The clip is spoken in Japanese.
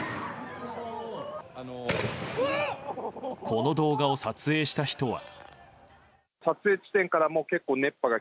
この動画を撮影した人は。